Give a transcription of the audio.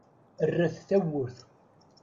Rret tawwurt.